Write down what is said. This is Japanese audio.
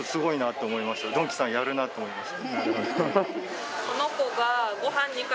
ドンキさんやるな！と思いました。